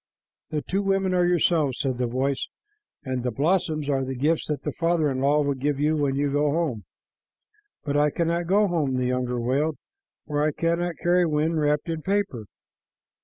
"The two women are yourselves," said the voice, "and the blossoms are the gifts that the father in law will give you when you go home." "But I cannot go home," the younger wailed, "for I cannot carry wind wrapped in paper."